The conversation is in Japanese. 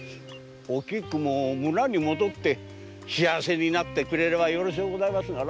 おきくも村に戻って幸せになってくれればよろしいのですがな。